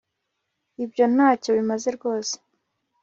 ibyo ntacyo bimaze rwose